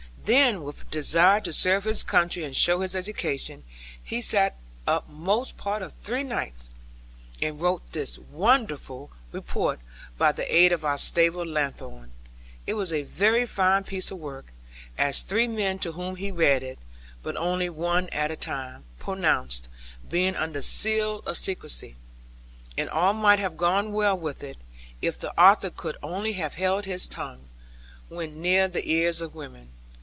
Then, with desire to serve his country and show his education, he sat up most part of three nights, and wrote this very wonderful report by the aid of our stable lanthorn. It was a very fine piece of work, as three men to whom he read it (but only one at a time) pronounced, being under seal of secrecy. And all might have gone well with it, if the author could only have held his tongue, when near the ears of women.